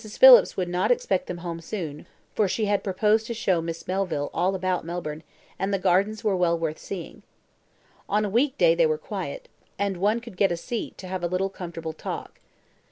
Phillips would not expect them home soon, for she had proposed to show Miss Melville all about Melbourne; and the gardens were well worth seeing. On a week day they were quiet, and one could get a seat to have a little comfortable talk.